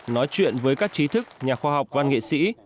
nói chuyện với các trí thức nhà khoa học văn nghệ sĩ